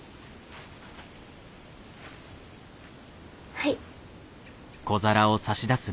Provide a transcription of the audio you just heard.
はい。